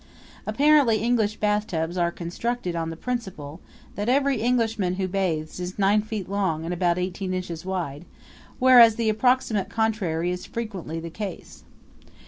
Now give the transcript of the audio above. Apparently English bathtubs are constructed on the principle that every Englishman who bathes is nine feet long and about eighteen inches wide, whereas the approximate contrary is frequently the case.